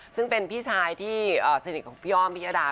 ซึ่งเป็นพี่ชายที่สนิทของพี่อ้อมพิยดา